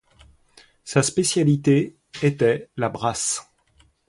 Sa spécialité était la brasse.